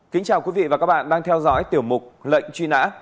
kính chào quý vị và các bạn đang theo dõi tiểu mục lệnh truy nã